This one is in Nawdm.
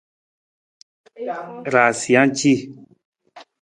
Raansija ci.